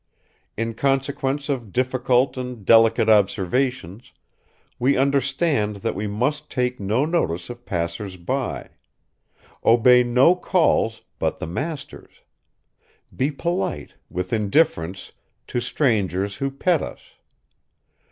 In consequence of difficult and delicate observations, we understand that we must take no notice of passers by; obey no calls but the master's; be polite, with indifference, to strangers who pet us.